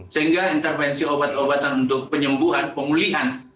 sehingga intervensi obat obatan untuk penyembuhan pemulihan